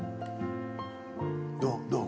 どう？